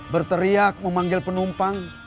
berteriak memanggil penumpang